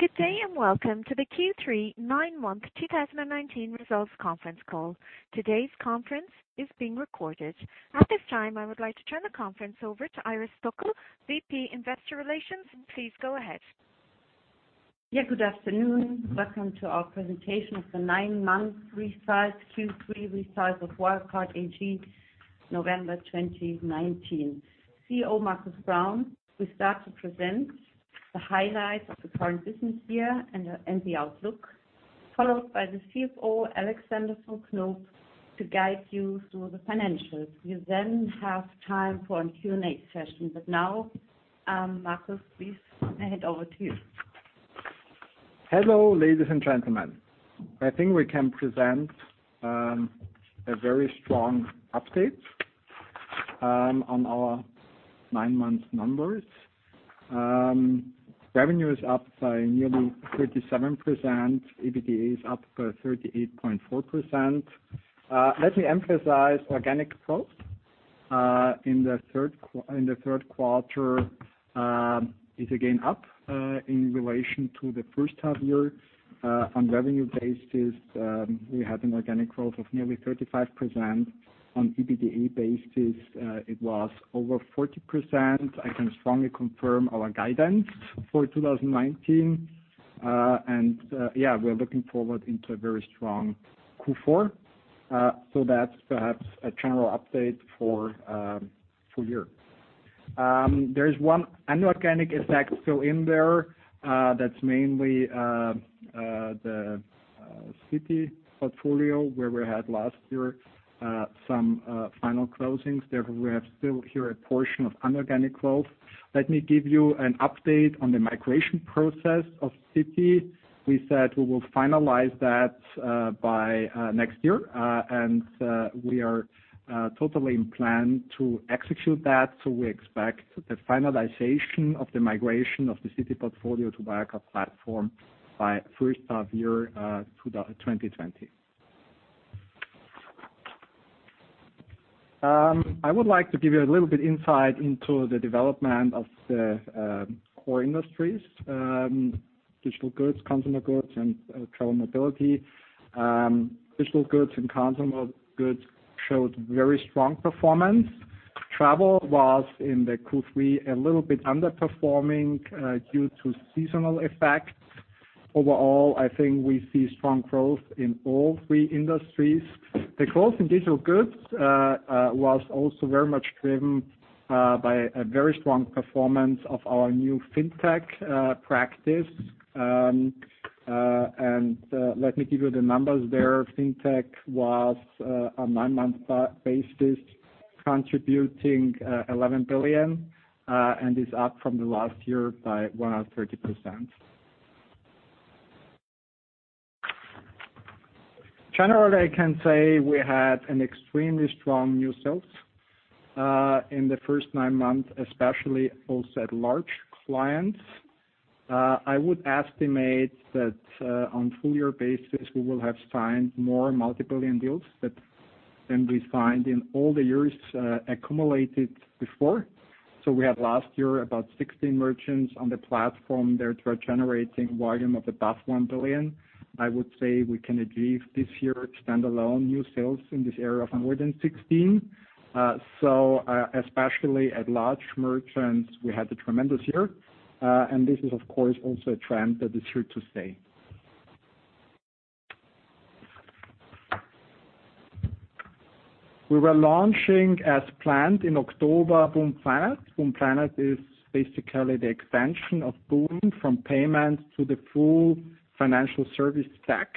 Good day, welcome to the Q3 nine-month 2019 results conference call. Today's conference is being recorded. At this time, I would like to turn the conference over to Iris Stöckl, VP Investor Relations. Please go ahead. Yeah, good afternoon. Welcome to our presentation of the nine-month results, Q3 results of Wirecard AG, November 2019. CEO Markus Braun will start to present the highlights of the current business year and the outlook, followed by the CFO, Alexander von Knoop, to guide you through the financials. We'll then have time for a Q&A session. Now, Markus, please, I hand over to you. Hello, ladies and gentlemen. I think we can present a very strong update on our nine-month numbers. Revenue is up by nearly 37%, EBITDA is up by 38.4%. Let me emphasize organic growth in the third quarter is again up in relation to the first half year. On revenue basis, we had an organic growth of nearly 35%. On EBITDA basis, it was over 40%. I can strongly confirm our guidance for 2019. Yeah, we're looking forward into a very strong Q4. That's perhaps a general update for full year. There is one inorganic effect still in there, that's mainly the Citi portfolio, where we had last year some final closings. Therefore, we have still here a portion of inorganic growth. Let me give you an update on the migration process of Citi. We said we will finalize that by next year, and we are totally in plan to execute that. We expect the finalization of the migration of the Citi portfolio to Wirecard platform by first half year 2020. I would like to give you a little bit insight into the development of the core industries, digital goods, consumer goods, and travel mobility. Digital goods and consumer goods showed very strong performance. Travel was, in the Q3, a little bit underperforming due to seasonal effects. Overall, I think we see strong growth in all three industries. The growth in digital goods was also very much driven by a very strong performance of our new FinTech practice. Let me give you the numbers there. FinTech was, on nine-month basis, contributing 11 billion, and is up from the last year by 130%. Generally, I can say we had an extremely strong new sales in the first nine months, especially also at large clients. I would estimate that on full year basis, we will have signed more multi-billion deals than we signed in all the years accumulated before. We had last year about 16 merchants on the platform that were generating volume of above 1 billion. I would say we can achieve this year standalone new sales in this area of more than 16. Especially at large merchants, we had a tremendous year. This is of course, also a trend that is here to stay. We were launching, as planned, in October, boon Planet. boon Planet is basically the expansion of boon from payment to the full financial service stack,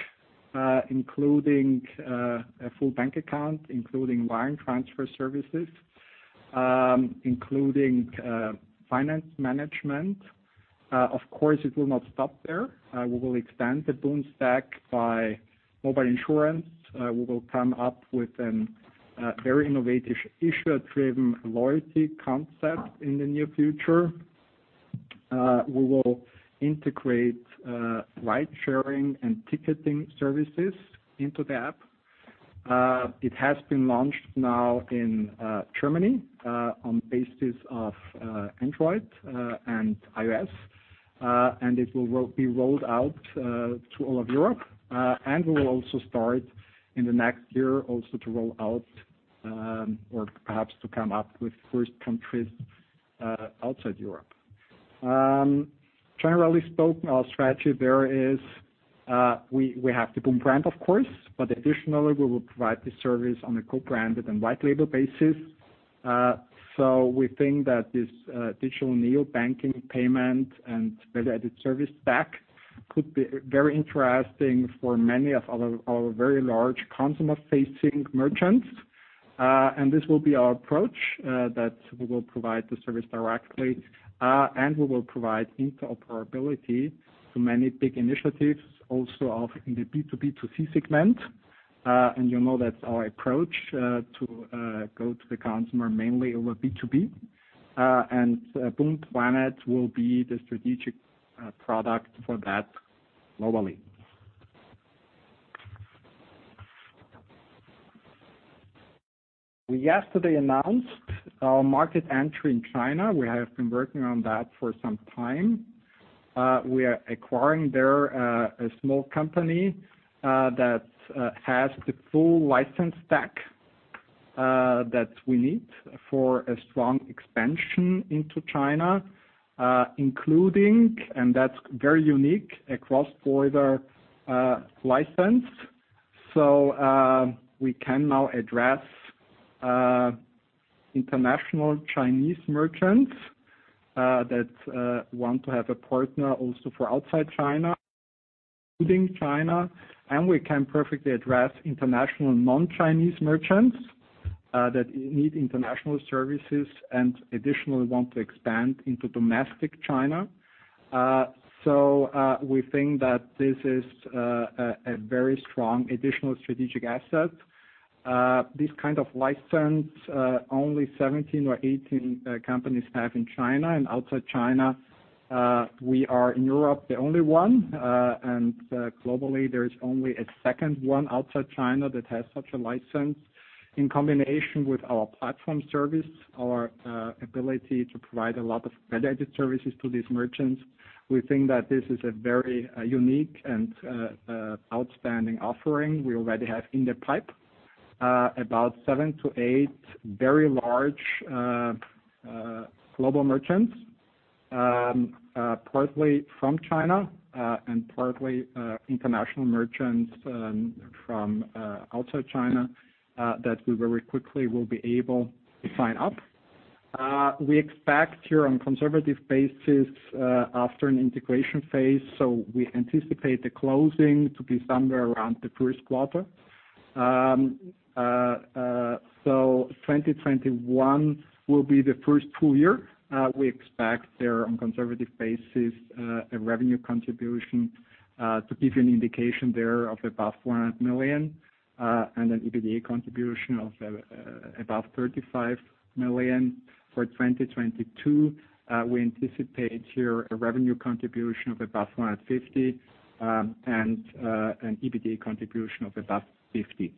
including a full bank account, including wire transfer services, including finance management. Of course, it will not stop there. We will expand the boon stack by mobile insurance. We will come up with a very innovative, issuer-driven loyalty concept in the near future. We will integrate ride-sharing and ticketing services into the app. It has been launched now in Germany, on basis of Android and iOS. It will be rolled out to all of Europe. We will also start in the next year also to roll out or perhaps to come up with first countries outside Europe. Generally spoken, our strategy there is we have the boon brand, of course, but additionally, we will provide the service on a co-branded and white label basis. We think that this digital neo banking payment and value-added service stack could be very interesting for many of our very large consumer-facing merchants. This will be our approach, that we will provide the service directly, and we will provide interoperability to many big initiatives also in the B2B2C segment. You know that's our approach to go to the consumer mainly over B2B. Boon Planet will be the strategic product for that globally. We yesterday announced our market entry in China. We have been working on that for some time. We are acquiring there a small company that has the full license stack that we need for a strong expansion into China, including, and that's very unique, a cross-border license. We can now address international Chinese merchants that want to have a partner also for outside China, including China. We can perfectly address international non-Chinese merchants that need international services and additionally want to expand into domestic China. We think that this is a very strong additional strategic asset. This kind of license, only 17 or 18 companies have in China and outside China. We are, in Europe, the only one, and globally, there is only a second one outside China that has such a license. In combination with our platform service, our ability to provide a lot of value-added services to these merchants, we think that this is a very unique and outstanding offering. We already have in the pipe about seven to eight very large global merchants, partly from China, and partly international merchants from outside China, that we very quickly will be able to sign up. We expect here on conservative basis, after an integration phase, so we anticipate the closing to be somewhere around the first quarter. 2021 will be the first full year. We expect there, on conservative basis, a revenue contribution, to give you an indication there, of above 400 million, and an EBITDA contribution of above 35 million. For 2022, we anticipate here a revenue contribution of above 150, and an EBITDA contribution of above 50.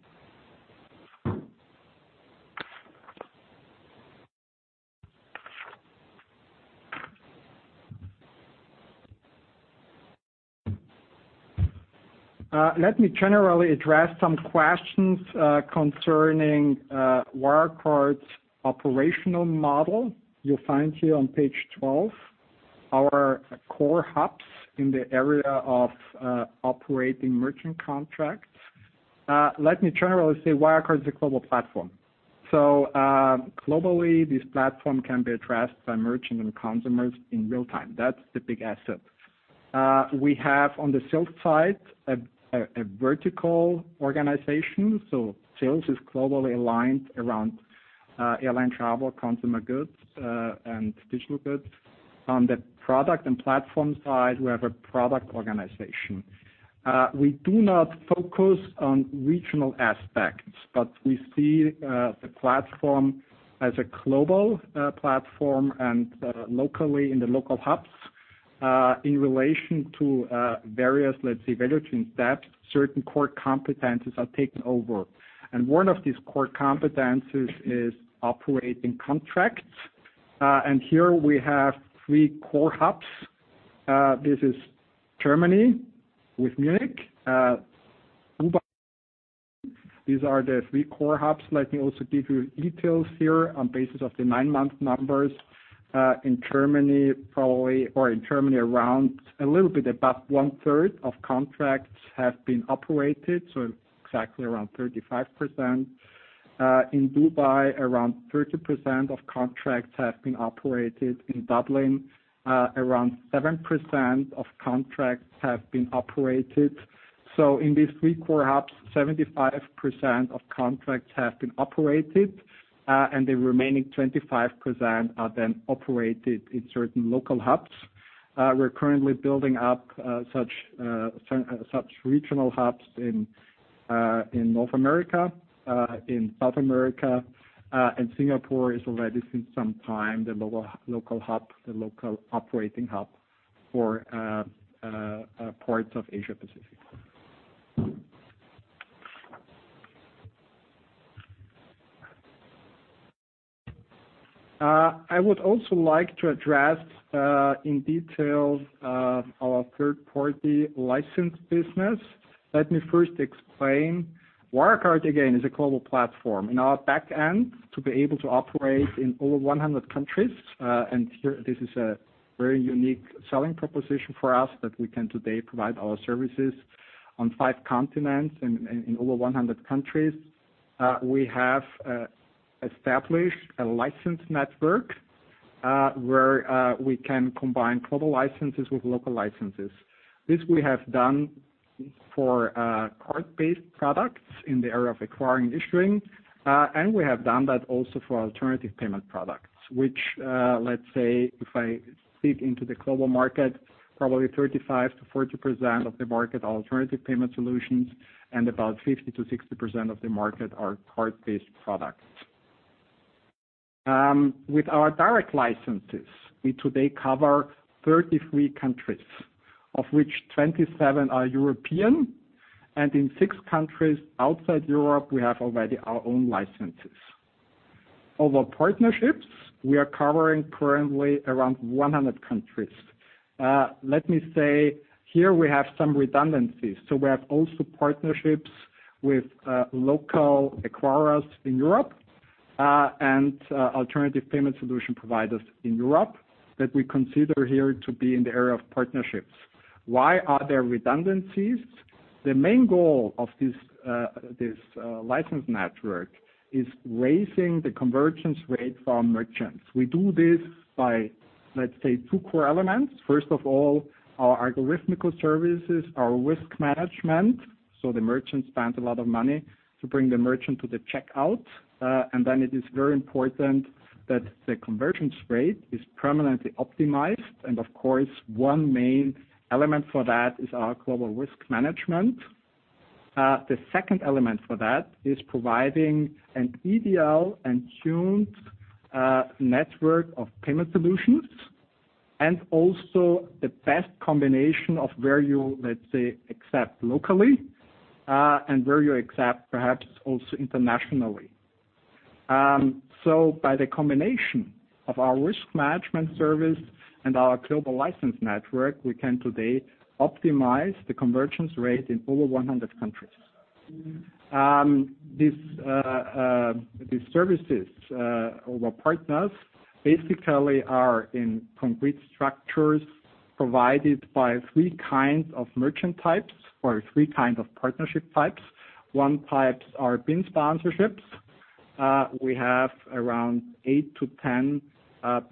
Let me generally address some questions concerning Wirecard's operational model. You'll find here on page 12 our core hubs in the area of operating merchant contracts. Let me generally say Wirecard is a global platform. Globally, this platform can be addressed by merchants and consumers in real time. That's the big asset. We have, on the sales side, a vertical organization. Sales is globally aligned around airline travel, consumer goods, and digital goods. On the product and platform side, we have a product organization. We do not focus on regional aspects, but we see the platform as a global platform and locally in the local hubs, in relation to various, let's say, value chain steps, certain core competencies are taken over. One of these core competencies is operating contracts. Here we have three core hubs. This is Germany with Munich, Dubai. These are the three core hubs. Let me also give you details here on basis of the nine-month numbers. In Germany, around a little bit above one-third of contracts have been operated, so exactly around 35%. In Dubai, around 30% of contracts have been operated. In Dublin, around 7% of contracts have been operated. In these three core hubs, 75% of contracts have been operated, and the remaining 25% are then operated in certain local hubs. We're currently building up such regional hubs in North America, in South America, and Singapore is already since some time, the local operating hub for parts of Asia Pacific. I would also like to address in detail our third-party license business. Let me first explain. Wirecard, again, is a global platform. In our back end, to be able to operate in over 100 countries, and here, this is a very unique selling proposition for us that we can today provide our services on five continents and in over 100 countries. We have established a license network where we can combine global licenses with local licenses. This we have done for card-based products in the area of acquiring/issuing, and we have done that also for alternative payment products, which let's say if I speak into the global market, probably 35%-40% of the market are alternative payment solutions, and about 50%-60% of the market are card-based products. With our direct licenses, we today cover 33 countries, of which 27 are European, and in six countries outside Europe, we have already our own licenses. Over partnerships, we are covering currently around 100 countries. Let me say, here we have some redundancies. We have also partnerships with local acquirers in Europe, and alternative payment solution providers in Europe that we consider here to be in the area of partnerships. Why are there redundancies? The main goal of this license network is raising the conversion rate for our merchants. We do this by, let's say, two core elements. First of all, our algorithmical services, our risk management, so the merchant spends a lot of money to bring the merchant to the checkout. It is very important that the conversion rate is permanently optimized. Of course, one main element for that is our global risk management. The second element for that is providing an ideal and tuned network of payment solutions, and also the best combination of where you, let's say, accept locally, and where you accept, perhaps also internationally. By the combination of our risk management service and our global license network, we can today optimize the conversion rate in over 100 countries. These services, our partners basically are in concrete structures provided by three kinds of merchant types or three kind of partnership types. One types are BIN sponsorships. We have around eight to 10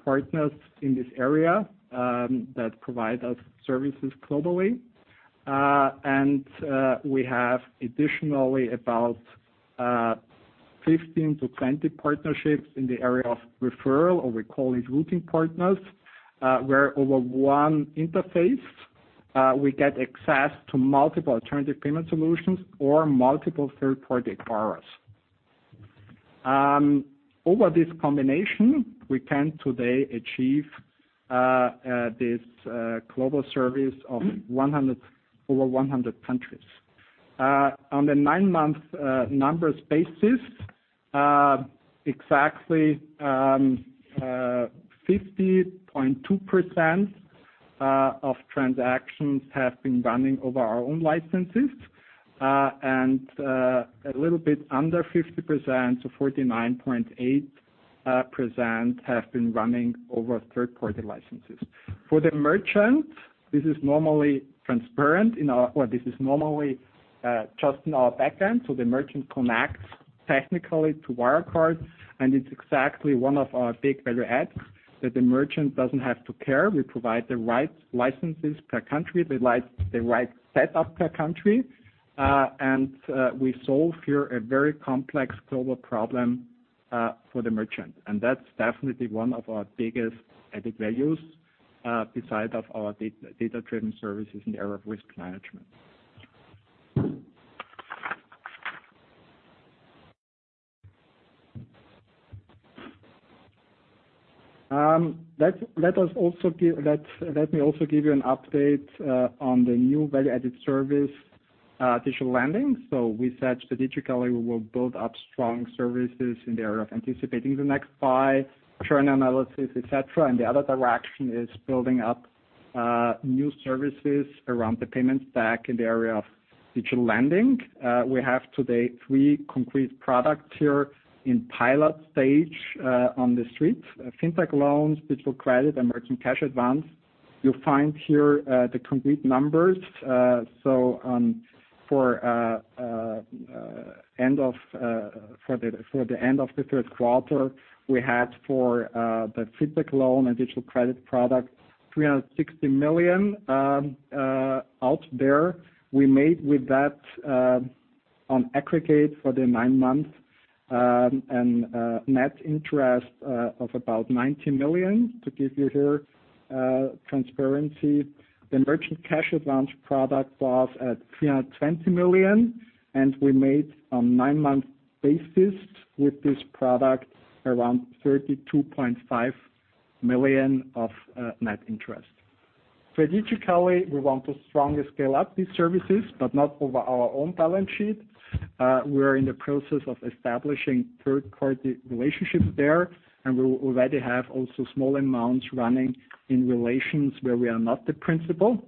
partners in this area, that provide us services globally. We have additionally about 15 to 20 partnerships in the area of referral, or we call it routing partners, where over one interface, we get access to multiple alternative payment solutions or multiple third-party acquirers. Over this combination, we can today achieve this global service of over 100 countries. On the nine months numbers basis, exactly 50.2% of transactions have been running over our own licenses. A little bit under 50%, so 49.8% have been running over third-party licenses. For the merchant, this is normally transparent in our backend. The merchant connects technically to Wirecard, and it's exactly one of our big value adds that the merchant doesn't have to care. We provide the right licenses per country, the right setup per country. We solve here a very complex global problem for the merchant. That's definitely one of our biggest added values, beside of our data-driven services in the area of risk management. Let me also give you an update on the new value-added service, digital lending. We said strategically we will build up strong services in the area of anticipating the next buy, churn analysis, et cetera. The other direction is building up new services around the payment stack in the area of digital lending. We have today three concrete products here in pilot stage on the street, FinTech loans, digital credit, and merchant cash advance. You'll find here the complete numbers. For the end of the third quarter, we had for the FinTech loan and digital credit product, 360 million out there. We made with that, on aggregate for the nine months, a net interest of about 90 million, to give you here transparency. The merchant cash advance product was at 320 million, and we made on nine-month basis with this product around 32.5 million of net interest. Strategically, we want to strongly scale up these services, but not over our own balance sheet. We're in the process of establishing third-party relationships there, and we already have also small amounts running in relations where we are not the principal.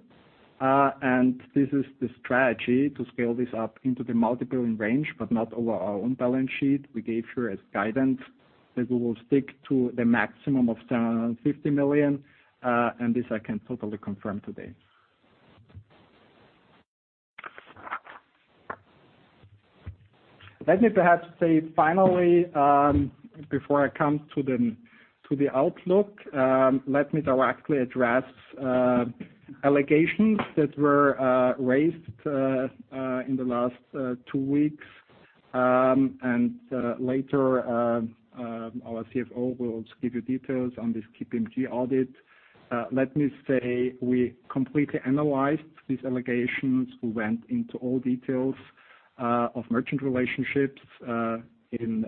This is the strategy to scale this up into the multiple range, but not over our own balance sheet. We gave here as guidance that we will stick to the maximum of 750 million. This I can totally confirm today. Let me perhaps say finally, before I come to the outlook, let me directly address allegations that were raised in the last two weeks. Later, our CFO will give you details on this KPMG audit. Let me say we completely analyzed these allegations. We went into all details of merchant relationships in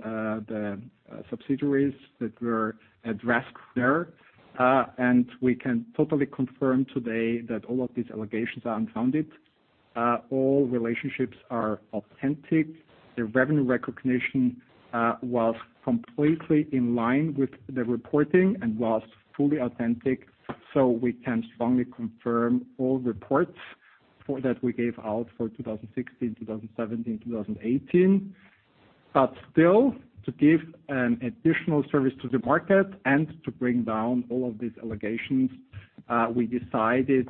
the subsidiaries that were addressed there. We can totally confirm today that all of these allegations are unfounded. All relationships are authentic. The revenue recognition was completely in line with the reporting and was fully authentic. We can strongly confirm all reports that we gave out for 2016, 2017, 2018. Still, to give an additional service to the market and to bring down all of these allegations, we decided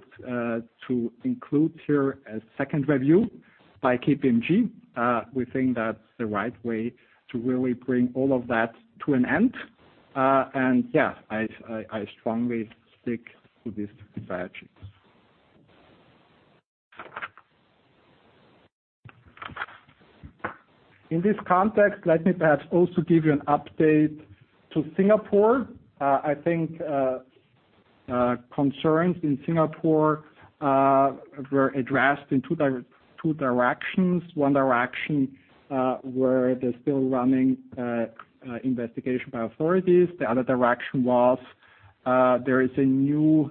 to include here a second review by KPMG. We think that's the right way to really bring all of that to an end. Yeah, I strongly stick to this fact. In this context, let me perhaps also give you an update to Singapore. I think concerns in Singapore were addressed in two directions. One direction where they're still running investigation by authorities. The other direction was there is a new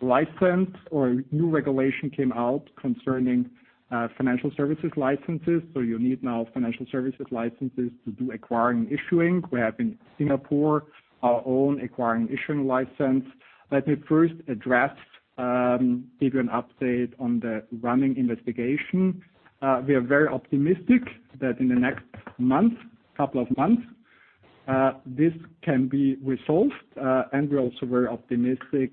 license or a new regulation came out concerning financial services licenses. You need now financial services licenses to do acquiring, issuing. We have in Singapore our own acquiring, issuing license. Let me first address give you an update on the running investigation. We are very optimistic that in the next month, couple of months, this can be resolved. We're also very optimistic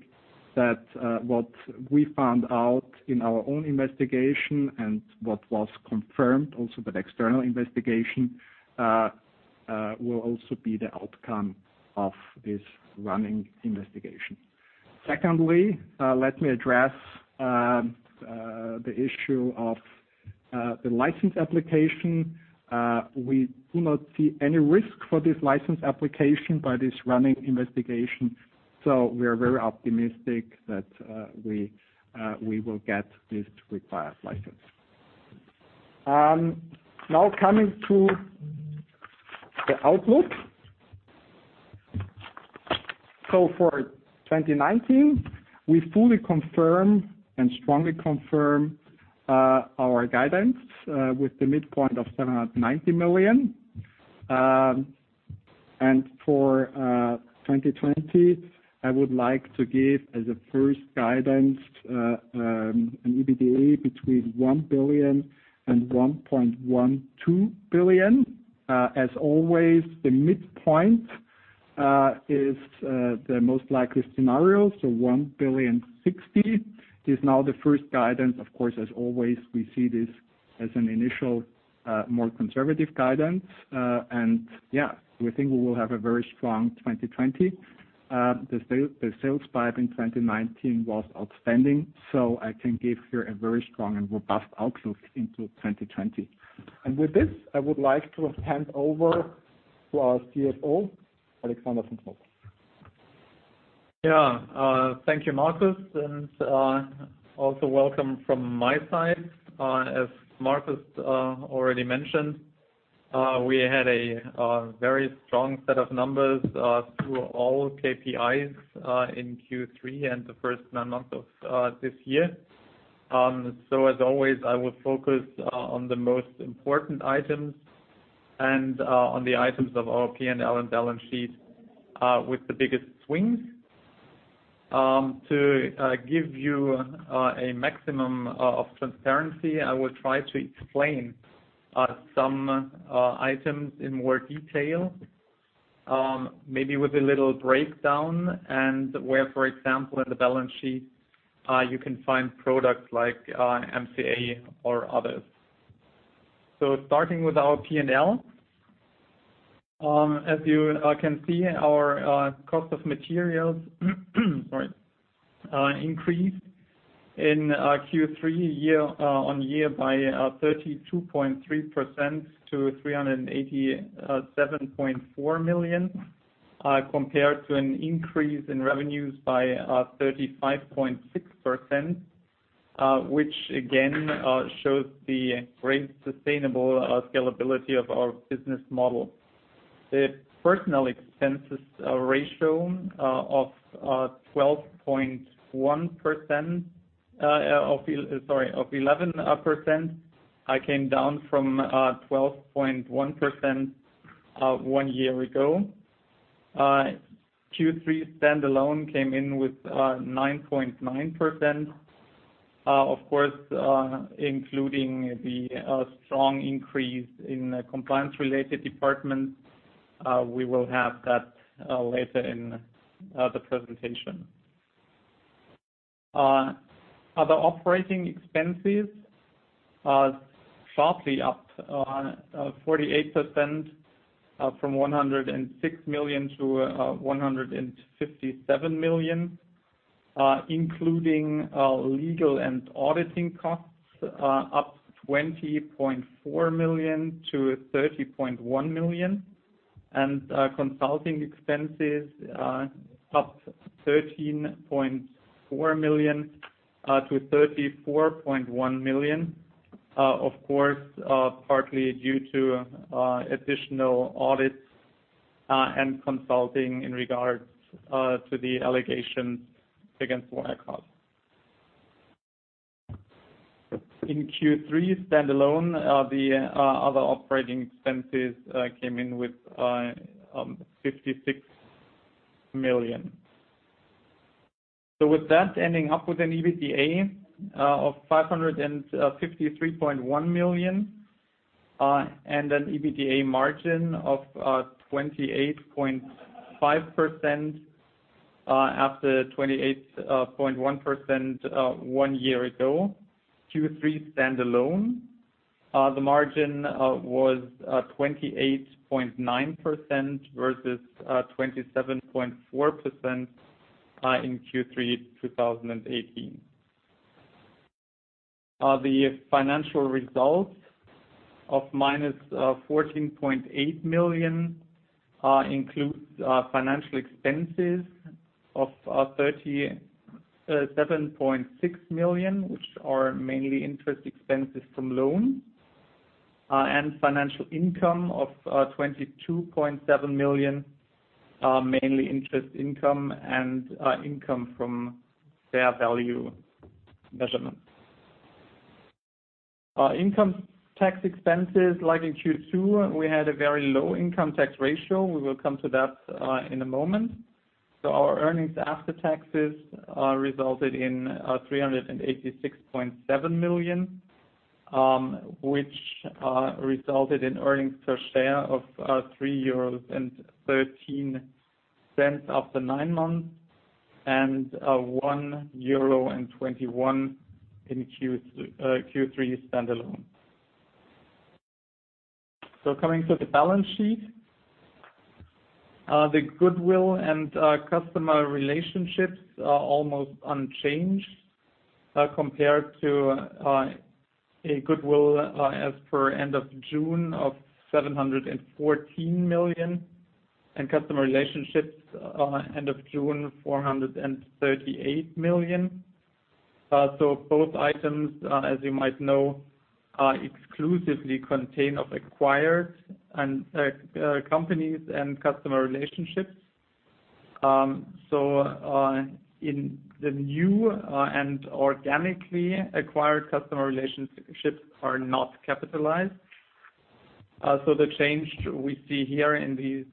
that what we found out in our own investigation and what was confirmed also with external investigation, will also be the outcome of this running investigation. Secondly, let me address the issue of the license application. We do not see any risk for this license application by this running investigation. We are very optimistic that we will get this required license. Now coming to the outlook. For 2019, we fully confirm and strongly confirm our guidance, with the midpoint of 790 million. For 2020, I would like to give as a first guidance, an EBITDA between 1 billion and 1.12 billion. As always, the midpoint is the most likely scenario. 1.06 billion is now the first guidance. As always, we see this as an initial, more conservative guidance. We think we will have a very strong 2020. The sales pipe in 2019 was outstanding, so I can give here a very strong and robust outlook into 2020. With this, I would like to hand over to our CFO, Alexander von Knoop. Yeah. Thank you, Markus, and also welcome from my side. As Markus already mentioned, we had a very strong set of numbers through all KPIs in Q3 and the first nine months of this year. As always, I will focus on the most important items and on the items of our P&L and balance sheet with the biggest swings. To give you a maximum of transparency, I will try to explain some items in more detail, maybe with a little breakdown and where, for example, in the balance sheet, you can find products like MCA or others. Starting with our P&L. As you can see, our cost of materials sorry, increased in Q3 year-on-year by 32.3% to 387.4 million, compared to an increase in revenues by 35.6%, which again, shows the great sustainable scalability of our business model. The personnel expenses ratio of 11%, came down from 12.1% one year ago. Q3 standalone came in with 9.9%. Of course, including the strong increase in compliance-related departments. We will have that later in the presentation. Other operating expenses are sharply up 48%, from 106 million to 157 million, including legal and auditing costs up 20.4 million to 30.1 million. Consulting expenses are up 13.4 million to 34.1 million, of course, partly due to additional audits and consulting in regards to the allegations against Wirecard. In Q3 standalone, the other operating expenses came in with 56 million. With that, ending up with an EBITDA of 553.1 million and an EBITDA margin of 28.5% after 28.1% one year ago. Q3 standalone, the margin was 28.9% versus 27.4% in Q3 2018. The financial results of -14.8 million includes financial expenses of 37.6 million, which are mainly interest expenses from loans and financial income of 22.7 million, mainly interest income and income from fair value measurement. Income tax expenses, like in Q2, we had a very low income tax ratio. We will come to that in a moment. Our earnings after taxes resulted in 386.7 million, which resulted in earnings per share of 3.13 euros after nine months and 1.21 euro in Q3 standalone. Coming to the balance sheet. The goodwill and customer relationships are almost unchanged compared to a goodwill as per end of June of 714 million and customer relationships end of June, 438 million. Both items, as you might know, exclusively contain of acquired companies and customer relationships. In the new and organically acquired customer relationships are not capitalized. The change we see here in these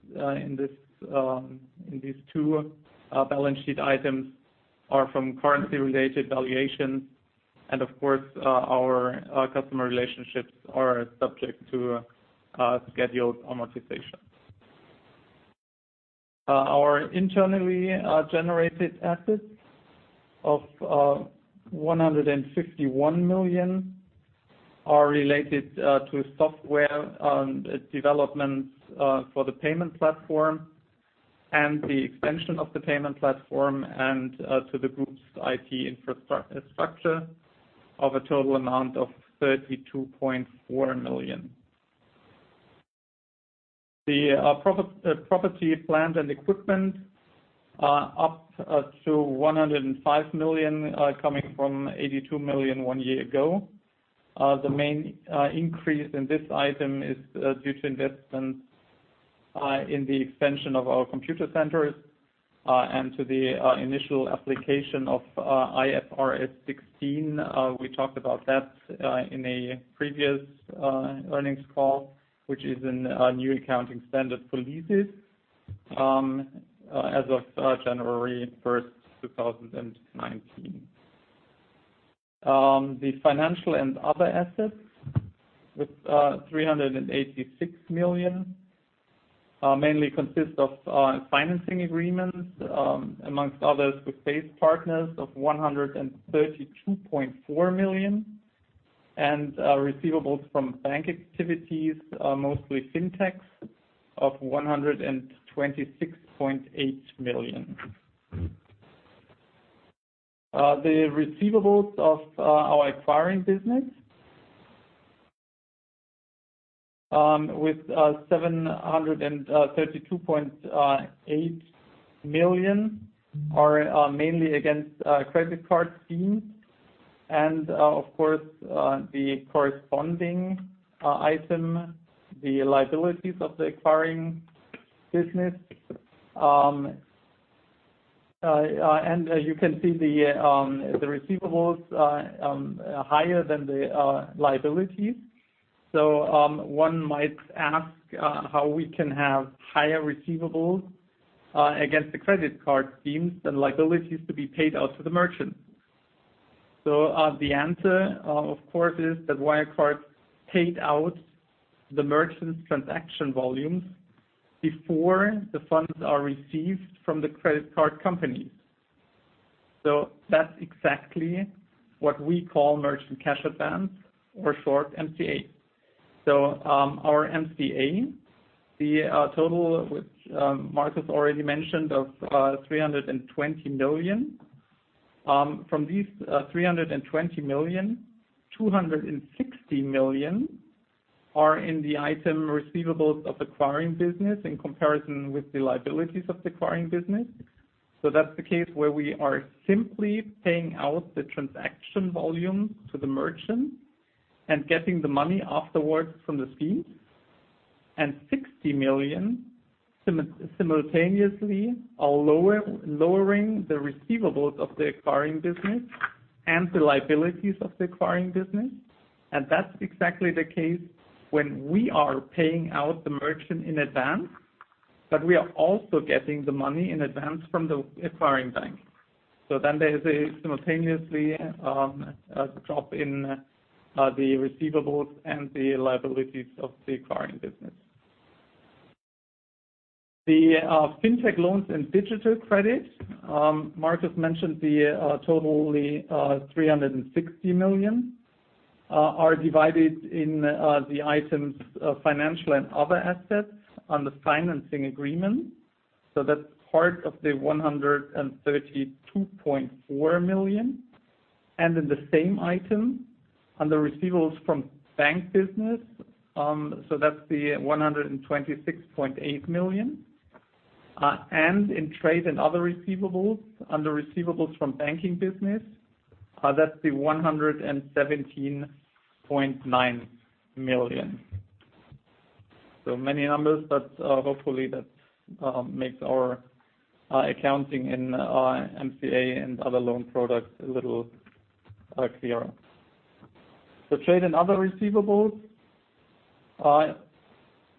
two balance sheet items are from currency-related valuations. Of course, our customer relationships are subject to scheduled amortization. Our internally generated assets of 151 million are related to software development for the payment platform and the extension of the payment platform and to the group's IT infrastructure of a total amount of 32.4 million. The property, plant, and equipment are up to 105 million, coming from 82 million one year ago. The main increase in this item is due to investments in the expansion of our computer centers and to the initial application of IFRS 16. We talked about that in a previous earnings call, which is a new accounting standard for leases as of January 1st, 2019. The financial and other assets with 386 million mainly consist of financing agreements, among others, with base partners of 132.4 million and receivables from bank activities, mostly FinTechs, of EUR 126.8 million. The receivables of our acquiring business with 732.8 million are mainly against credit card schemes and, of course, the corresponding item, the liabilities of the acquiring business. You can see the receivables are higher than the liabilities. One might ask how we can have higher receivables against the credit card schemes than liabilities to be paid out to the merchant. The answer, of course, is that Wirecard paid out the merchant's transaction volumes before the funds are received from the credit card company. That's exactly what we call merchant cash advance, or short, MCA. Our MCA, the total, which Markus already mentioned, of 320 million. From these 320 million, 260 million are in the item receivables of acquiring business in comparison with the liabilities of the acquiring business. That's the case where we are simply paying out the transaction volume to the merchant and getting the money afterwards from the fees. 60 million simultaneously are lowering the receivables of the acquiring business and the liabilities of the acquiring business. That's exactly the case when we are paying out the merchant in advance, but we are also getting the money in advance from the acquiring bank. There is simultaneously a drop in the receivables and the liabilities of the acquiring business. The FinTech loans and digital credits, Markus mentioned, the total 360 million are divided in the items financial and other assets on the financing agreement. That's part of the 132.4 million. In the same item, under receivables from bank business, that's the 126.8 million. In trade and other receivables, under receivables from banking business, that's the 117.9 million. Many numbers, but hopefully that makes our accounting in MCA and other loan products a little clearer. The trade and other receivables,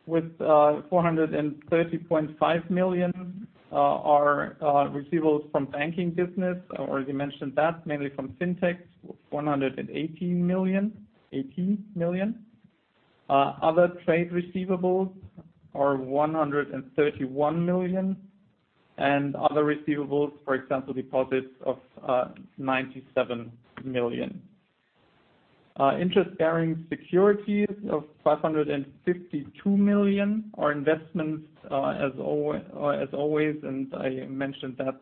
with 430.5 million are receivables from banking business. I already mentioned that, mainly from FinTech, 118 million. Other trade receivables are 131 million, and other receivables, for example, deposits of 97 million. Interest-bearing securities of 552 million are investments, as always, and I mentioned that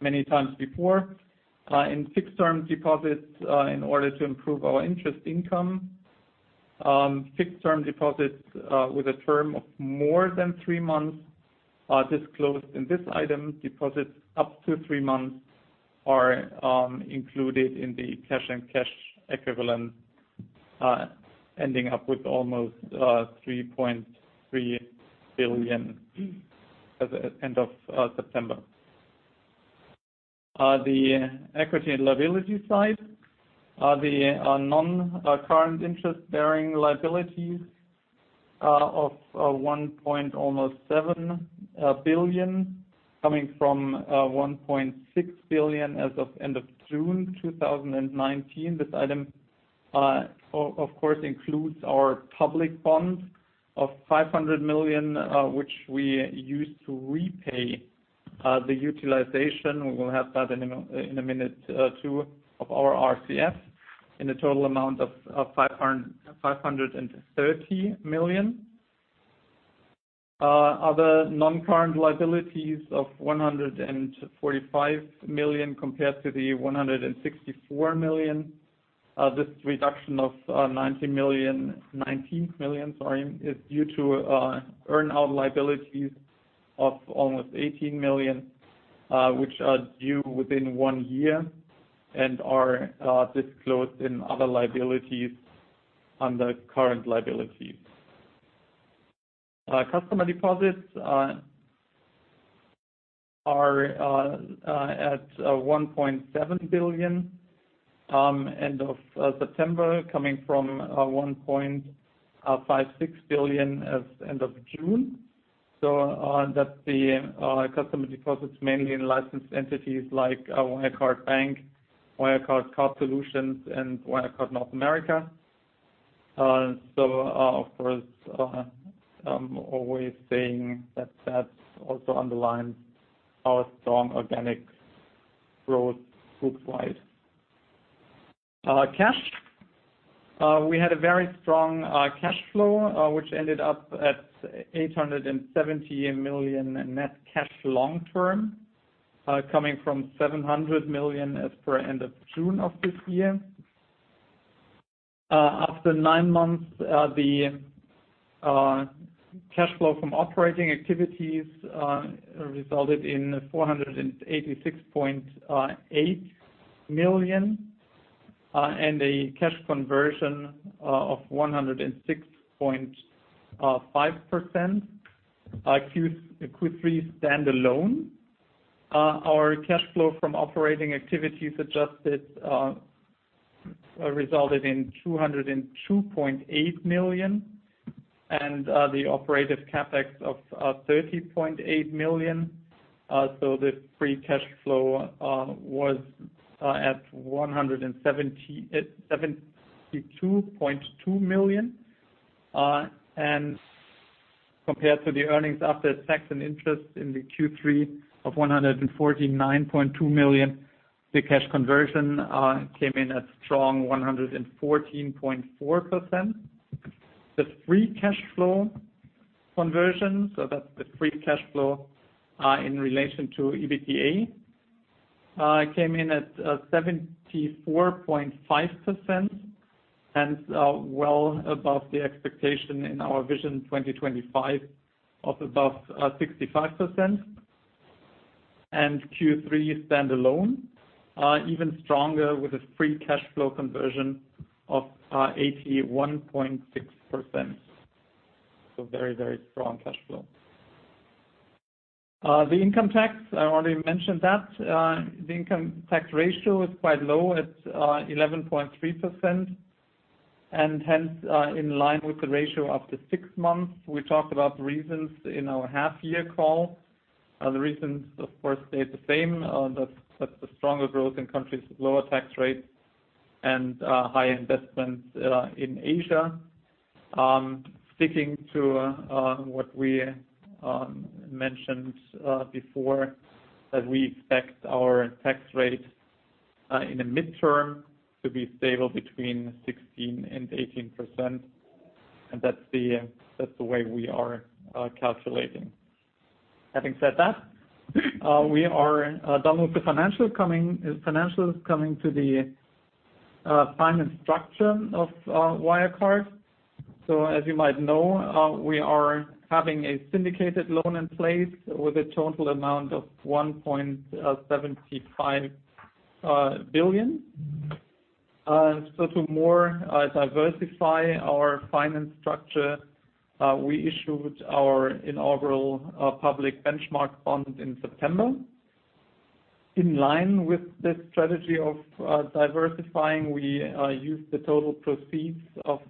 many times before, in fixed-term deposits, in order to improve our interest income. Fixed-term deposits with a term of more than three months are disclosed in this item. Deposits up to three months are included in the cash and cash equivalent, ending up with almost 3.3 billion as of end of September. The equity and liability side are the non-current interest-bearing liabilities of 1.7 billion, coming from 1.6 billion as of end of June 2019. This item, of course, includes our public bonds of 500 million, which we used to repay the utilization, we will have that in a minute too, of our RCF in a total amount of 530 million. Other non-current liabilities of 145 million compared to the 164 million. This reduction of 19 million is due to earn-out liabilities of almost 18 million, which are due within one year and are disclosed in other liabilities under current liabilities. Customer deposits are at 1.7 billion end of September, coming from 1.56 billion as end of June. On that, the customer deposits mainly in licensed entities like Wirecard Bank, Wirecard Card Solutions, and Wirecard North America. Of course, I'm always saying that also underlines our strong organic growth group wide. Cash. We had a very strong cash flow, which ended up at 878 million net cash long-term, coming from 700 million as per end of June of this year. After nine months, the cash flow from operating activities resulted in 486.8 million and a cash conversion of 106.5%. Q3 stand alone. Our cash flow from operating activities adjusted resulted in 202.8 million and the operative CapEx of 30.8 million. The free cash flow was at 172.2 million. Compared to the earnings after tax and interest in the Q3 of 149.2 million, the cash conversion came in at strong 114.4%. The free cash flow conversion, so that's the free cash flow in relation to EBITDA, came in at 74.5% and well above the expectation in our Vision 2025 of above 65%. Q3 standalone, even stronger with a free cash flow conversion of 81.6%. Very strong cash flow. The income tax, I already mentioned that. The income tax ratio is quite low at 11.3%, and hence in line with the ratio after six months. We talked about the reasons in our half-year call. The reasons, of course, stay the same. That's the stronger growth in countries with lower tax rates and high investments in Asia. Sticking to what we mentioned before, that we expect our tax rate in the midterm to be stable between 16% and 18%, and that's the way we are calculating. Having said that, we are done with the financials. Coming to the finance structure of Wirecard. As you might know, we are having a syndicated loan in place with a total amount of 1.75 billion. To more diversify our finance structure, we issued our inaugural public benchmark bond in September. In line with this strategy of diversifying, we used the total proceeds of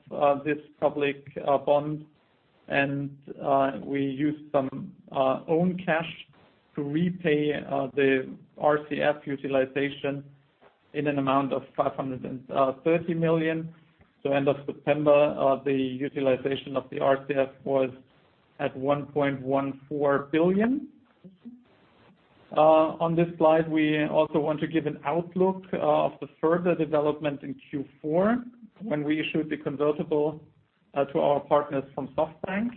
this public bond, and we used some own cash to repay the RCF utilization in an amount of 530 million. End of September, the utilization of the RCF was at 1.14 billion. On this slide, we also want to give an outlook of the further development in Q4 when we issued the convertible to our partners from SoftBank.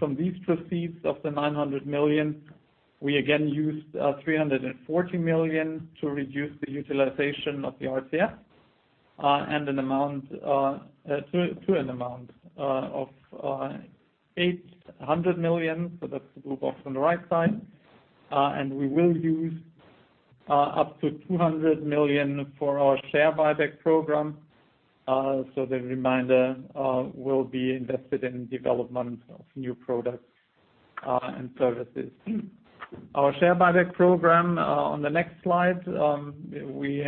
From these proceeds of the 900 million, we again used 340 million to reduce the utilization of the RCF to an amount of 800 million. That's the blue box on the right side. We will use up to 200 million for our share buyback program. The reminder will be invested in development of new products and services. Our share buyback program on the next slide, we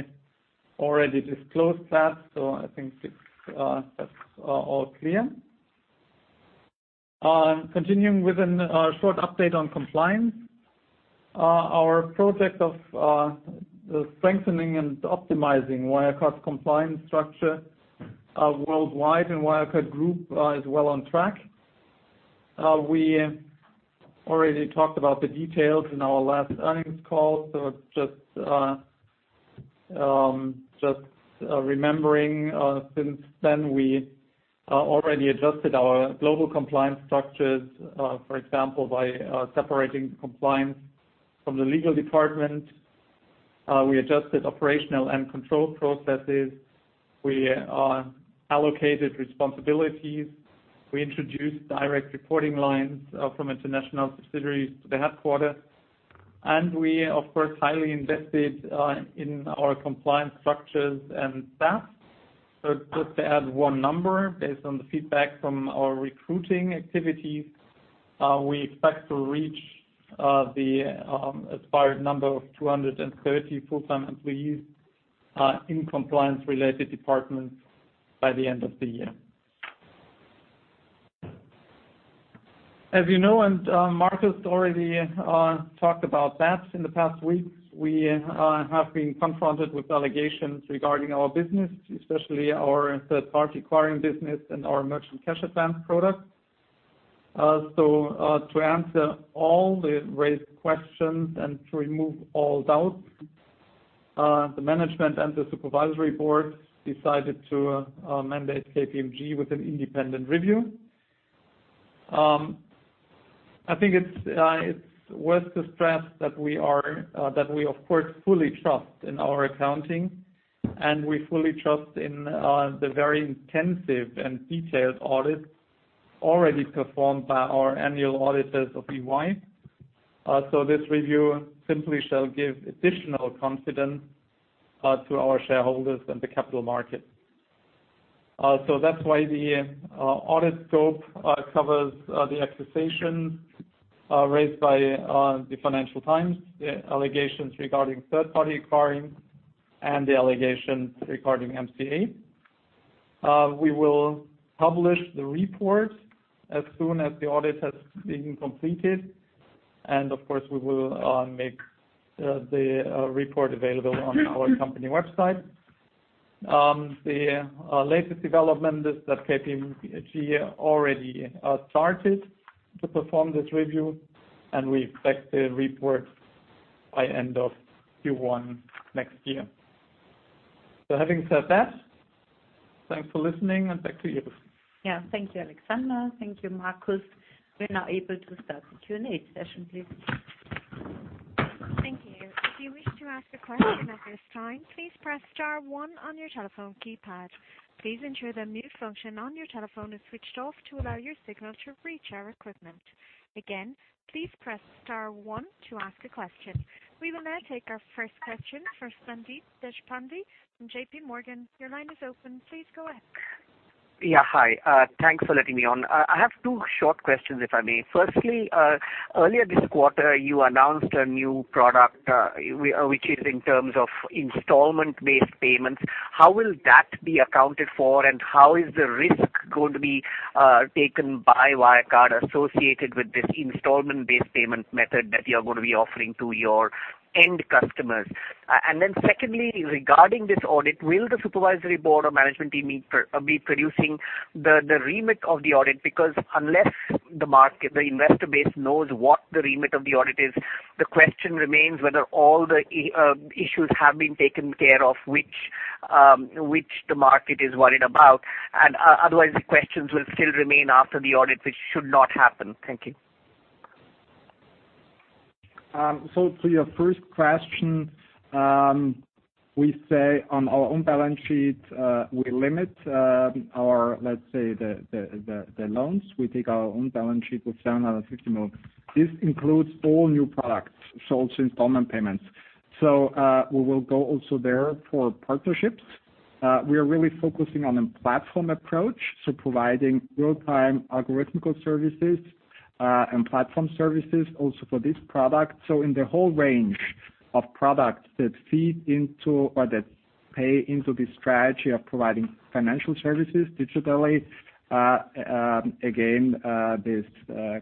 already disclosed that, I think that's all clear. Continuing with a short update on compliance. Our project of strengthening and optimizing Wirecard's compliance structure worldwide and Wirecard Group is well on track. We already talked about the details in our last earnings call. Just remembering since then, we already adjusted our global compliance structures, for example, by separating compliance from the legal department. We adjusted operational and control processes. We allocated responsibilities. We introduced direct reporting lines from international subsidiaries to the headquarter. We, of course, highly invested in our compliance structures and staff. Just to add one number based on the feedback from our recruiting activities, we expect to reach the aspired number of 230 full-time employees in compliance-related departments by the end of the year. As you know, Markus already talked about that in the past weeks, we have been confronted with allegations regarding our business, especially our third-party acquiring business and our merchant cash advance product. To answer all the raised questions and to remove all doubts, the management and the supervisory board decided to mandate KPMG with an independent review. I think it's worth the stress that we, of course, fully trust in our accounting, and we fully trust in the very intensive and detailed audit already performed by our annual auditors of EY. This review simply shall give additional confidence to our shareholders and the capital market. That's why the audit scope covers the accusations raised by the "Financial Times," the allegations regarding third-party acquiring, and the allegations regarding MCA. We will publish the report as soon as the audit has been completed, and of course, we will make the report available on our company website. The latest development is that KPMG already started to perform this review, and we expect the report By end of Q1 next year. Having said that, thanks for listening, and back to you. Yeah. Thank you, Alexander. Thank you, Markus. We're now able to start the Q&A session, please. Thank you. If you wish to ask a question at this time, please press star one on your telephone keypad. Please ensure the mute function on your telephone is switched off to allow your signal to reach our equipment. Again, please press star one to ask a question. We will now take our first question from Sandeep Deshpande from J.P. Morgan. Your line is open. Please go ahead. Yeah. Hi. Thanks for letting me on. I have two short questions, if I may. Firstly, earlier this quarter, you announced a new product, which is in terms of installment-based payments. How will that be accounted for, and how is the risk going to be taken by Wirecard associated with this installment-based payment method that you're going to be offering to your end customers? Secondly, regarding this audit, will the supervisory board or management team be producing the remit of the audit? Unless the investor base knows what the remit of the audit is, the question remains whether all the issues have been taken care of, which the market is worried about. Otherwise, the questions will still remain after the audit, which should not happen. Thank you. To your first question, we say on our own balance sheet, we limit our, let's say, the loans. We take our own balance sheet with 750 million. This includes all new products, so also installment payments. We will go also there for partnerships. We are really focusing on a platform approach, so providing real-time algorithmical services, and platform services also for this product. In the whole range of products that feed into or that pay into this strategy of providing financial services digitally, again, this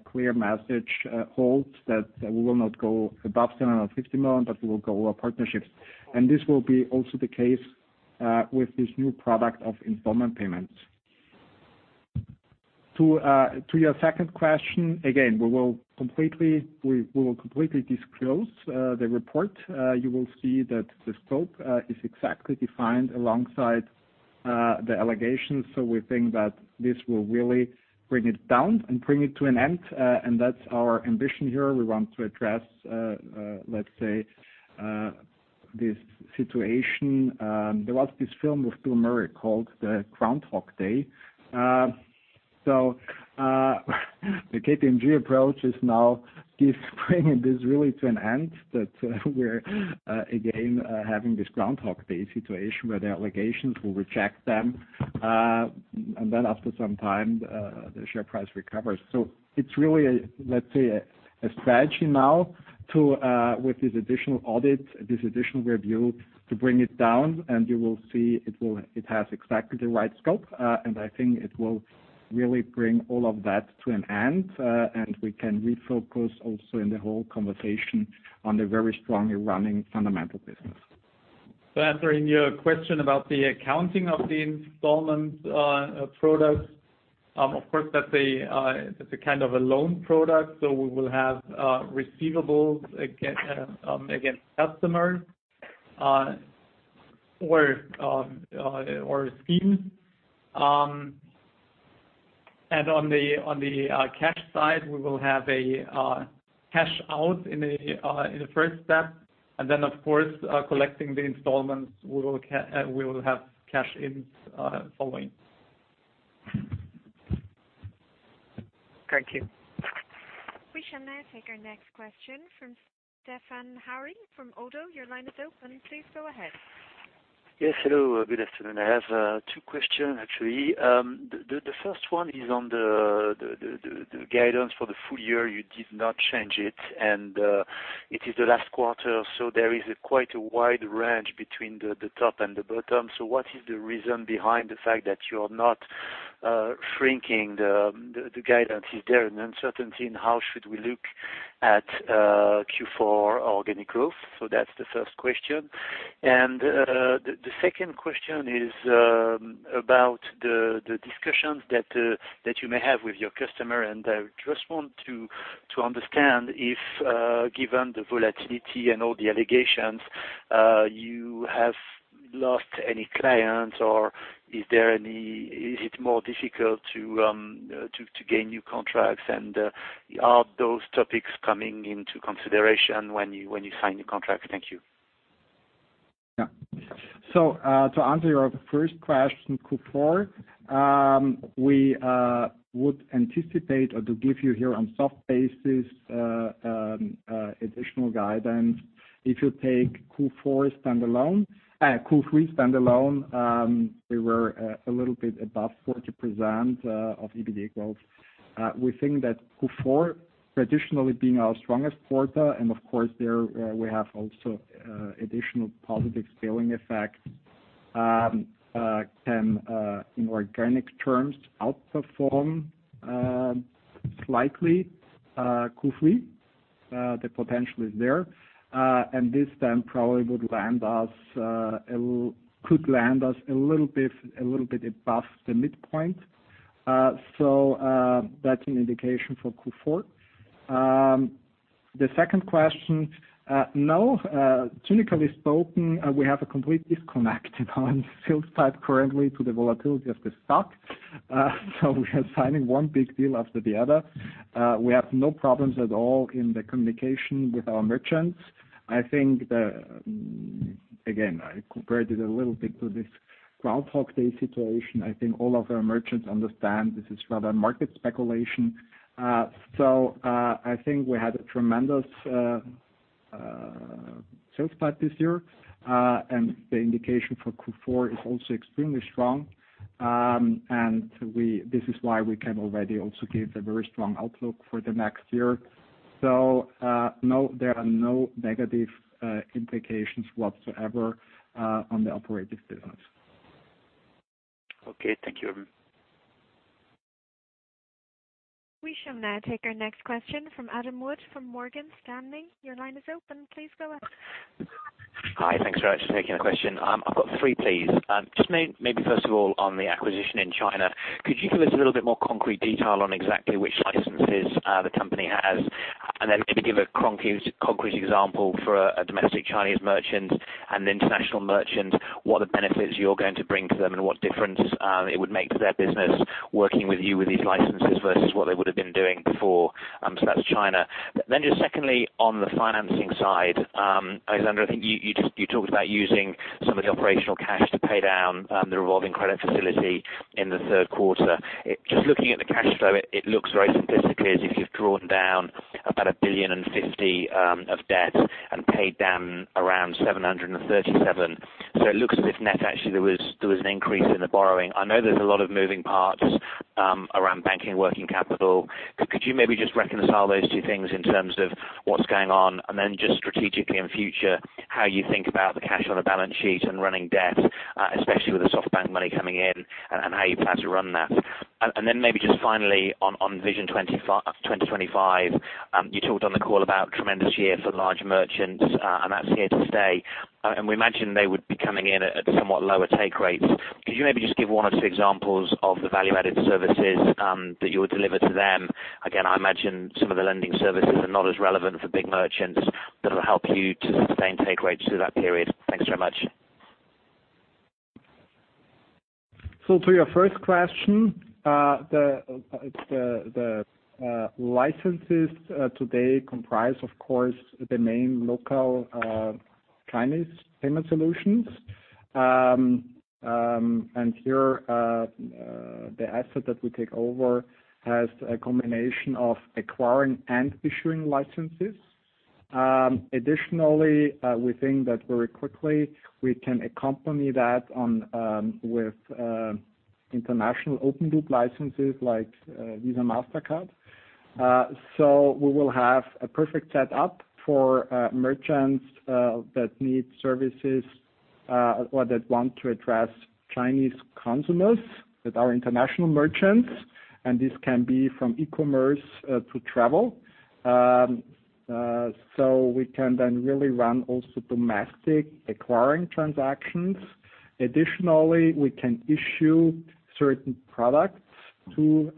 clear message holds that we will not go above 750 million, but we will go with partnerships. This will be also the case, with this new product of installment payments. To your second question, again, we will completely disclose the report. You will see that the scope is exactly defined alongside the allegations. We think that this will really bring it down and bring it to an end. That's our ambition here. We want to address, let's say, this situation. There was this film with Bill Murray called the "Groundhog Day." The KPMG approach is now bringing this really to an end, that we're again, having this "Groundhog Day" situation where the allegations, we'll reject them. Then after some time, the share price recovers. It's really, let's say, a strategy now with this additional audit, this additional review, to bring it down, and you will see it has exactly the right scope. I think it will really bring all of that to an end, and we can refocus also in the whole conversation on the very strongly running fundamental business. Answering your question about the accounting of the installment product, of course, that's a kind of a loan product. We will have receivables against customers or scheme. On the cash side, we will have a cash out in the first step. Then, of course, collecting the installments, we will have cash in following. Thank you. We shall now take our next question from Stéphane Houri from ODDO BHF. Your line is open. Please go ahead. Yes, hello. Good afternoon. I have two questions, actually. The first one is on the guidance for the full year. You did not change it, and it is the last quarter, so there is quite a wide range between the top and the bottom. What is the reason behind the fact that you are not shrinking the guidance? Is there an uncertainty in how should we look at Q4 organic growth? That's the first question. The second question is about the discussions that you may have with your customer. I just want to understand if, given the volatility and all the allegations, you have lost any clients, or is it more difficult to gain new contracts? Are those topics coming into consideration when you sign the contract? Thank you. Yeah. To answer your first question, Q4, we would anticipate or to give you here on soft basis, additional guidance. If you take Q3 standalone, we were a little bit above 40% of EBITDA growth. We think that Q4, traditionally being our strongest quarter, and of course there we have also additional positive scaling effect, can, in organic terms, outperform slightly Q3. The potential is there. This then probably could land us a little bit above the midpoint. That's an indication for Q4. The second question. No, technically spoken, we have a complete disconnect on sales type currently to the volatility of the stock. We are signing one big deal after the other. We have no problems at all in the communication with our merchants. Again, I compared it a little bit to this Groundhog Day situation. I think all of our merchants understand this is rather market speculation. I think we had a tremendous sales type this year. The indication for Q4 is also extremely strong. This is why we can already also give the very strong outlook for the next year. No, there are no negative implications whatsoever on the operating business. Okay. Thank you. We shall now take our next question from Adam Wood, from Morgan Stanley. Your line is open. Please go ahead. Hi. Thanks very much for taking the question. I've got three, please. Maybe first of all, on the acquisition in China, could you give us a little bit more concrete detail on exactly which licenses the company has? Maybe give a concrete example for a domestic Chinese merchant and an international merchant, what the benefits you're going to bring to them, and what difference it would make to their business working with you with these licenses versus what they would've been doing before. That's China. Just secondly, on the financing side, Alexander, I think you talked about using some of the operational cash to pay down the revolving credit facility in the third quarter. Looking at the cash flow, it looks very simplistically as if you've drawn down about 1.5 billion of debt and paid down around 737. It looks as if net actually there was an increase in the borrowing. I know there's a lot of moving parts around banking working capital. Could you maybe just reconcile those two things in terms of what's going on? Then just strategically in future, how you think about the cash on a balance sheet and running debt, especially with the SoftBank money coming in, and how you plan to run that. Then maybe just finally on Vision 2025, you talked on the call about tremendous year for large merchants, and that's here to stay. We imagine they would be coming in at somewhat lower take rates. Could you maybe just give one or two examples of the value-added services that you would deliver to them? I imagine some of the lending services are not as relevant for big merchants that'll help you to sustain take rates through that period. Thanks very much. To your first question, the licenses today comprise, of course, the main local Chinese payment solutions. Here the asset that we take over has a combination of acquiring and issuing licenses. Additionally, we think that very quickly we can accompany that with international open loop licenses like Visa, Mastercard. We will have a perfect set up for merchants that need services or that want to address Chinese consumers that are international merchants. This can be from e-commerce to travel. We can then really run also domestic acquiring transactions. Additionally, we can issue certain products to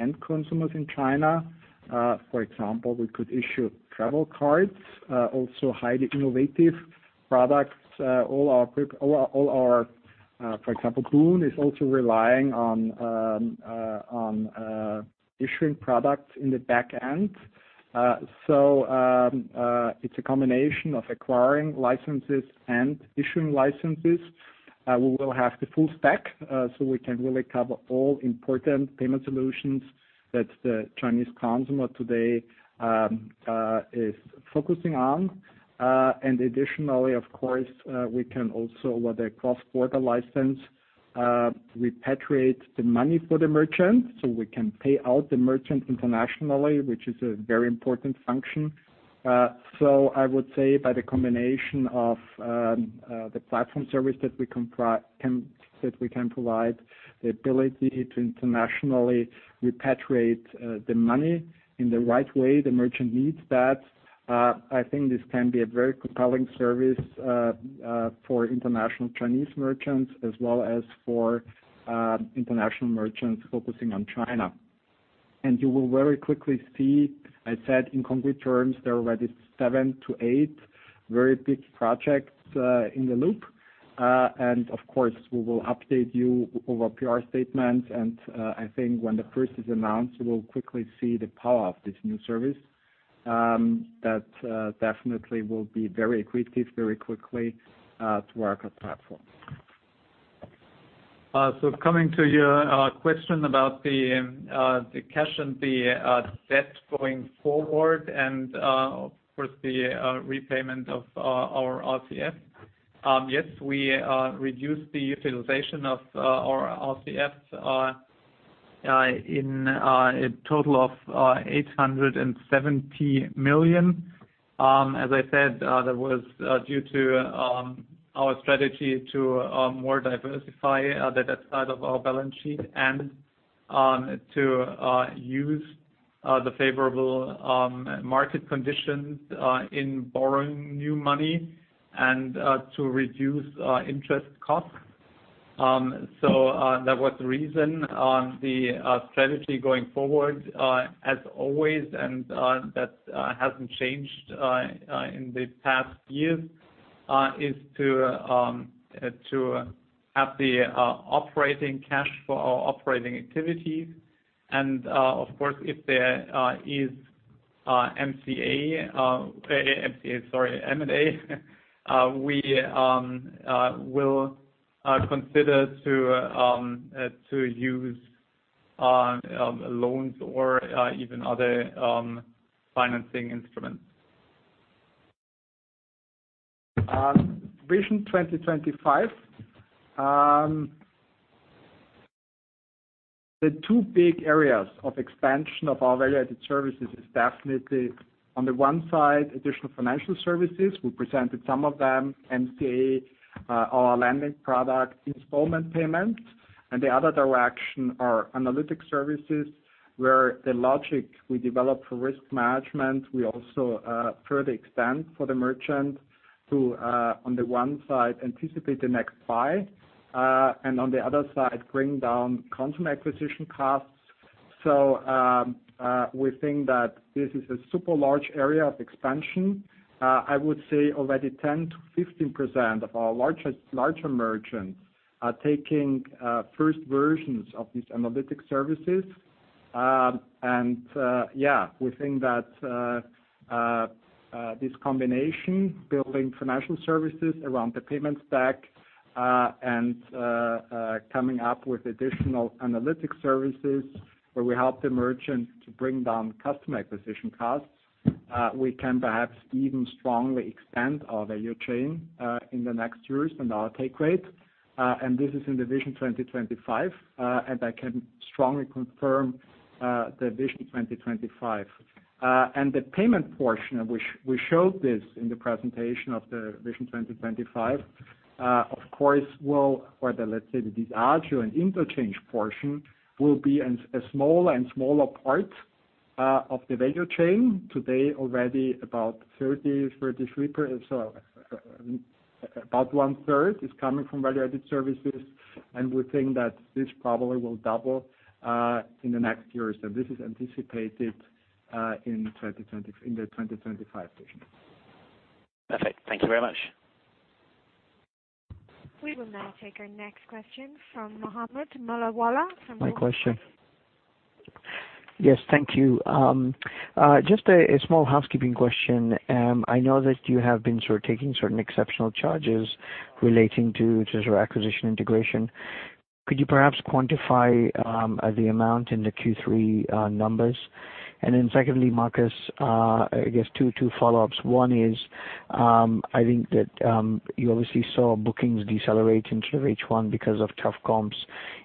end consumers in China. For example, we could issue travel cards, also highly innovative products. For example, boon is also relying on issuing products in the back end. It's a combination of acquiring licenses and issuing licenses. We will have the full stack, so we can really cover all important payment solutions that the Chinese consumer today is focusing on. Additionally, of course, we can also, with a cross-border license, repatriate the money for the merchant, so we can pay out the merchant internationally, which is a very important function. So I would say by the combination of the platform service that we can provide, the ability to internationally repatriate the money in the right way the merchant needs that, I think this can be a very compelling service for international Chinese merchants as well as for international merchants focusing on China. You will very quickly see, I said in concrete terms, there are already seven to eight very big projects in the loop. Of course, we will update you over PR statement, and I think when the first is announced, we will quickly see the power of this new service. That definitely will be very accretive very quickly to our platform. Coming to your question about the cash and the debt going forward and, of course, the repayment of our RCF. Yes, we reduced the utilization of our RCF in a total of 870 million. As I said, that was due to our strategy to more diversify the debt side of our balance sheet and to use. The favorable market conditions in borrowing new money and to reduce interest costs. That was the reason. The strategy going forward, as always, and that hasn't changed in the past years, is to have the operating cash for our operating activities. Of course, if there is M&A, we will consider to use loans or even other financing instruments. Vision 2025. The two big areas of expansion of our value-added services is definitely, on the one side, additional financial services. We presented some of them, MCA, our lending product, installment payments. The other direction are analytic services, where the logic we develop for risk management, we also further expand for the merchant to, on the one side, anticipate the next buy, and on the other side, bring down customer acquisition costs. We think that this is a super large area of expansion. I would say already 10%-15% of our larger merchants are taking first versions of these analytic services. Yeah, we think that this combination, building financial services around the payment stack, and coming up with additional analytic services where we help the merchant to bring down customer acquisition costs, we can perhaps even strongly expand our value chain in the next years and our take rate. This is in the Vision 2025. I can strongly confirm the Vision 2025. The payment portion, we showed this in the presentation of the Vision 2025, of course, will, or the interchange portion, will be a smaller and smaller part of the value chain. Today, already about one-third is coming from value-added services, and we think that this probably will double in the next years. This is anticipated in the 2025 Vision. Perfect. Thank you very much. We will now take our next question from Mohammed Moledina from Bloomberg. My question. Yes, thank you. Just a small housekeeping question. I know that you have been sort of taking certain exceptional charges relating to treasury acquisition integration. Could you perhaps quantify the amount in the Q3 numbers? Secondly, Markus, I guess two follow-ups. One is, I think that you obviously saw bookings decelerate into H1 because of tough comps.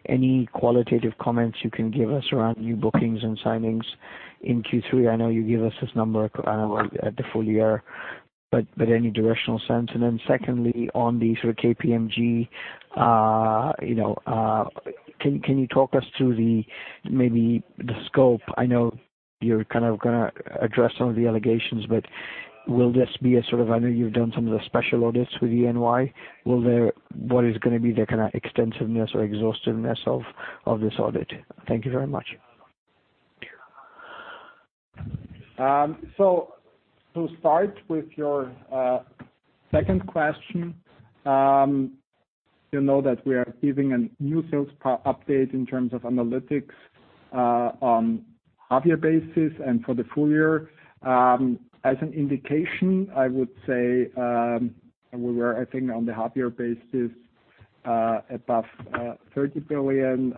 Any qualitative comments you can give us around new bookings and signings in Q3? I know you gave us this number at the full year, any directional sense? Secondly, on the sort of KPMG, can you talk us through maybe the scope? I know you're kind of going to address some of the allegations. I know you've done some of the special audits with EY. What is going to be the kind of extensiveness or exhaustiveness of this audit? Thank you very much. To start with your second question, you know that we are giving a new sales update in terms of analytics on a half-year basis and for the full year. As an indication, I would say, we were, I think, on the half-year basis, above 30 billion.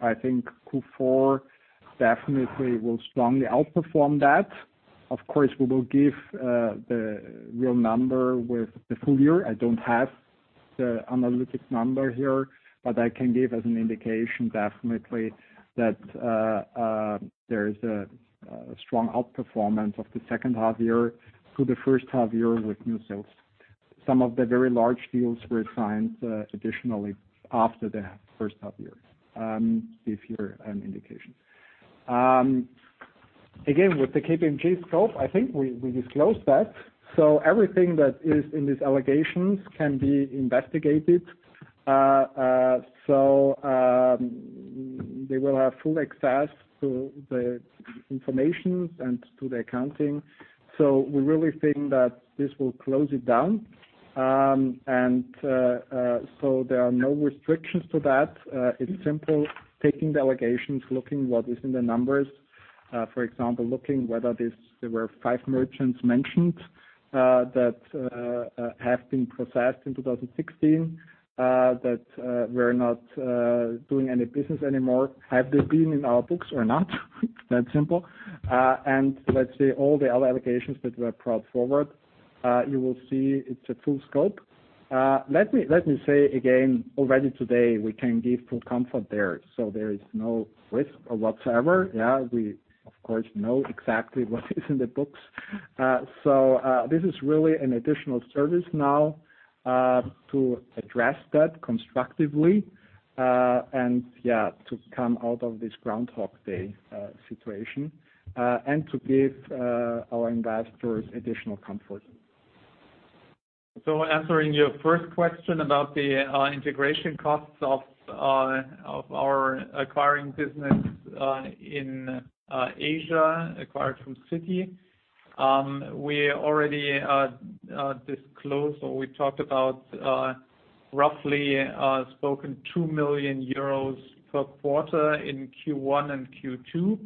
I think Q4 definitely will strongly outperform that. Of course, we will give the real number with the full year. I don't have the analytics number here, but I can give as an indication, definitely, that there is a strong outperformance of the second half year to the first half year with new sales. Some of the very large deals were signed additionally after the first half year, give you an indication. Again, with the KPMG scope, I think we disclosed that. Everything that is in these allegations can be investigated. They will have full access to the information and to the accounting. We really think that this will close it down. There are no restrictions to that. It's simple. Taking the allegations, looking what is in the numbers. For example, looking whether there were five merchants mentioned that have been processed in 2016, that we're not doing any business anymore. Have they been in our books or not? That simple. Let's say all the other allegations that were brought forward, you will see it's a full scope. Let me say again, already today, we can give full comfort there. There is no risk whatsoever. Yeah, we, of course, know exactly what is in the books. This is really an additional service now to address that constructively. Yeah, to come out of this Groundhog Day situation. To give our investors additional comfort. Answering your first question about the integration costs of our acquiring business in Asia, acquired from Citi. We already disclosed, or we talked about, roughly spoken, 2 million euros per quarter in Q1 and Q2.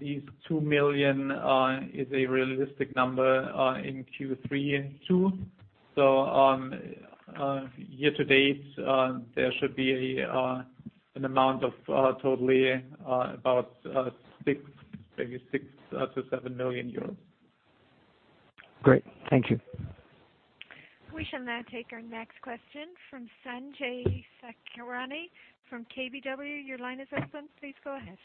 These 2 million is a realistic number in Q3 too. Year to date, there should be an amount of totally about maybe 6 million-7 million euros. Great. Thank you. We shall now take our next question from Sanjay Sakhrani from KBW. Your line is open. Please go ahead.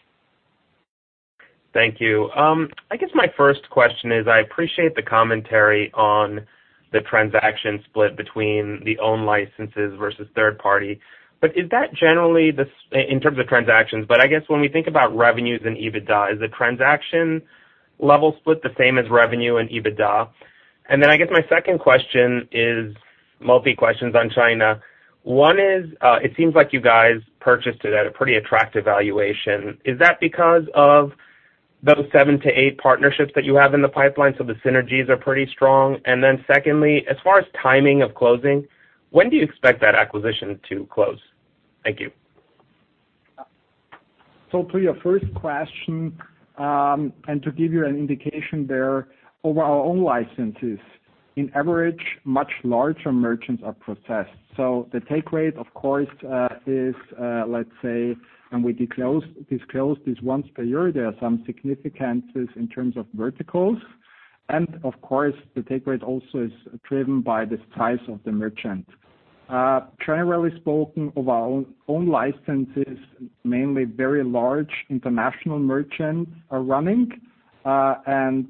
Thank you. I guess my first question is, I appreciate the commentary on the transaction split between the own licenses versus third party. Is that generally, in terms of transactions, but I guess when we think about revenues and EBITDA, is the transaction level split the same as revenue and EBITDA? I guess my second question is multi questions on China. One is, it seems like you guys purchased it at a pretty attractive valuation. Is that because of those 7-8 partnerships that you have in the pipeline, so the synergies are pretty strong? Secondly, as far as timing of closing, when do you expect that acquisition to close? Thank you. To your first question, and to give you an indication there, over our own licenses, in average, much larger merchants are processed. The take rate, of course, is, let's say, and we disclose this once per year, there are some significances in terms of verticals. Of course, the take rate also is driven by the size of the merchant. Generally spoken, over our own licenses, mainly very large international merchants are running, and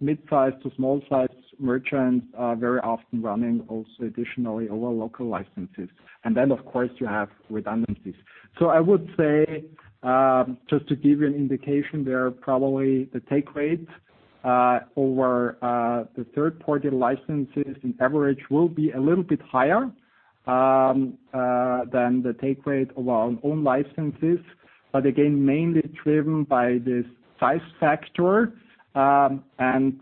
mid-size to small-size merchants are very often running also additionally over local licenses. Then, of course, you have redundancies. I would say, just to give you an indication there, probably the take rate over the third-party licenses in average will be a little bit higher than the take rate over our own licenses. Again, mainly driven by this size factor, and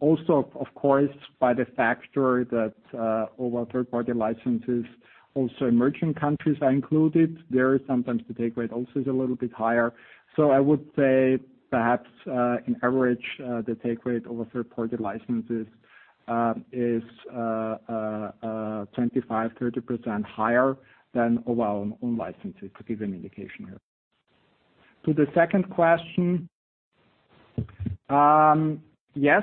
also, of course, by the factor that over third-party licenses also emerging countries are included. There sometimes the take rate also is a little bit higher. I would say perhaps in average, the take rate over third-party licenses is 25%, 30% higher than over our own licenses, to give you an indication there. To the second question, yes,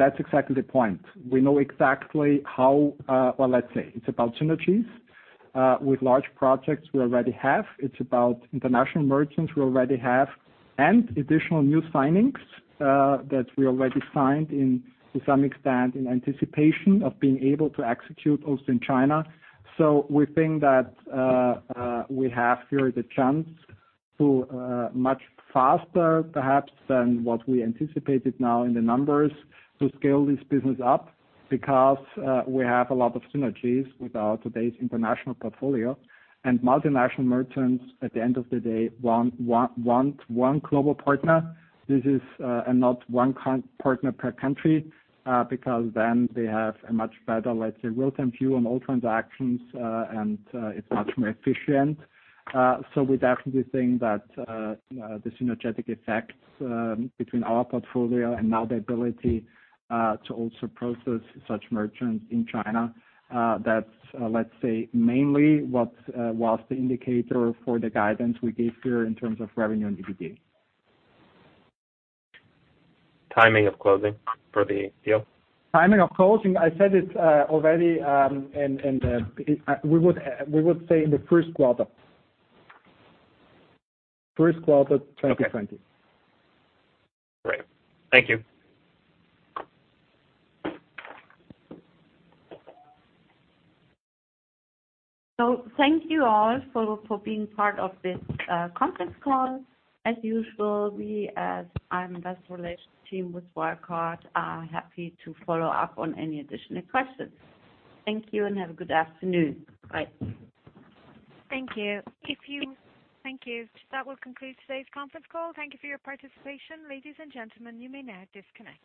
that's exactly the point. We know exactly. Well, let's say, it's about synergies with large projects we already have. It's about international merchants we already have, and additional new signings that we already signed in, to some extent, in anticipation of being able to execute also in China. We think that we have here the chance to much faster, perhaps, than what we anticipated now in the numbers to scale this business up because we have a lot of synergies with our today's international portfolio. Multinational merchants, at the end of the day, want one global partner. Not one partner per country, because then they have a much better, let's say, real-time view on all transactions, and it's much more efficient. We definitely think that the synergetic effects between our portfolio and now the ability to also process such merchants in China, that's, let's say, mainly what was the indicator for the guidance we gave here in terms of revenue and EBITDA. Timing of closing for the deal? Timing of closing, I said it already, we would say in the first quarter. First quarter 2020. Okay. Great. Thank you. Thank you all for being part of this conference call. As usual, we as investor relations team with Wirecard are happy to follow up on any additional questions. Thank you and have a good afternoon. Bye. Thank you. That will conclude today's conference call. Thank you for your participation. Ladies and gentlemen, you may now disconnect.